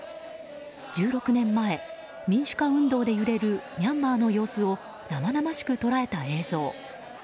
１６年前、民主化運動で揺れるミャンマーの様子を生々しく捉えた映像。